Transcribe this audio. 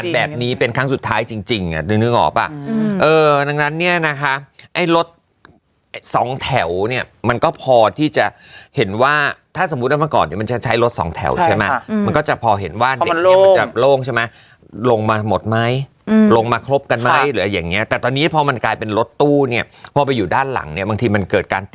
แบบนี้เป็นครั้งสุดท้ายจริงจริงอ่ะนึกออกป่ะเออดังนั้นเนี่ยนะคะไอ้รถสองแถวเนี่ยมันก็พอที่จะเห็นว่าถ้าสมมุติว่าเมื่อก่อนเดี๋ยวมันจะใช้รถสองแถวใช่ไหมมันก็จะพอเห็นว่าเด็กเนี่ยมันจะโล่งใช่ไหมลงมาหมดไหมลงมาครบกันไหมหรืออะไรอย่างเงี้แต่ตอนนี้พอมันกลายเป็นรถตู้เนี่ยพอไปอยู่ด้านหลังเนี่ยบางทีมันเกิดการต